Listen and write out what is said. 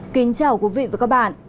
kính chào quý vị và các bạn